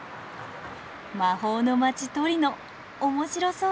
魔法の街トリノ面白そう。